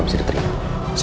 aku mau pergi